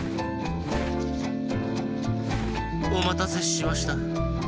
おまたせしました。